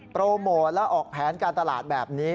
โปรโมทและออกแผนการตลาดแบบนี้